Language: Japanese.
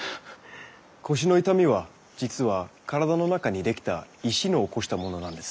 腰の痛みは実は体の中にできた石の起こしたものなんです。